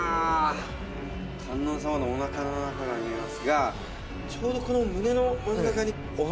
観音様のおなかの中が見えますがちょうどこの胸の真ん中にお花が。